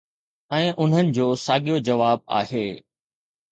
۽ انهن جو ساڳيو جواب آهي